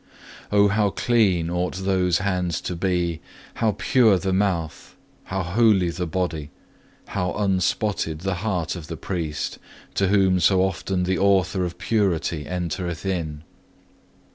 Oh how clean ought those hands to be, how pure the mouth, how holy the body, how unspotted the heart of the priest, to whom so often the Author of purity entereth in!